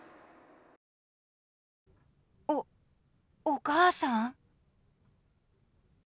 おお母さん？